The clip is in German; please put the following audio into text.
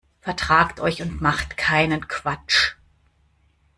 Vertragt euch und macht keinen Quatsch.